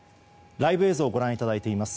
ライブ映像をご覧いただいています。